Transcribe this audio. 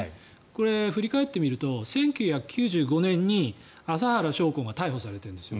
これ振り返ってみると１９９５年に麻原彰晃が逮捕されてるんです。